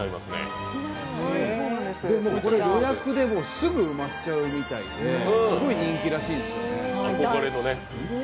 これ予約ですぐ埋まっちゃうみたいで、すごい人気らしいんですよね。